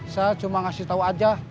saya cuma ngasih tahu aja